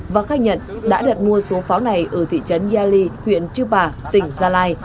và khai nhận đã đặt mua số pháo này ở thị trấn ya ly huyện chư pả tỉnh gia lai